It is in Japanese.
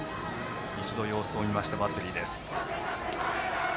一度様子を見ましたバッテリー。